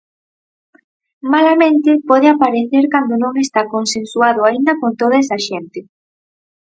Malamente pode aparecer cando non está consensuado aínda con toda esa xente.